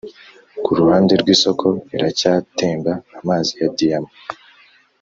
kuruhande rw'isoko, iracyatemba amazi ya diyama,